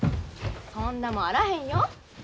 そんなもんあらへんよ。